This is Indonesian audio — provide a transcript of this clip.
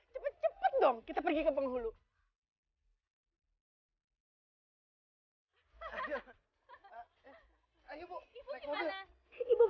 cepet cepet dong kita pergi ke penghulu